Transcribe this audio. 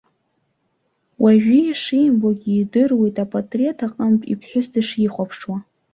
Уажәы ишимбогьы идыруеит апатреҭ аҟынтәи иԥҳәыс дышихәаԥшуа.